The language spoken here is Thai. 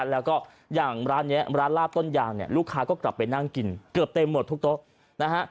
แล้วก็อย่างร้านนี้ร้านลาบต้นยางเนี่ยลูกค้าก็กลับไปนั่งกินเกือบเต็มหมดทุกโต๊ะนะฮะ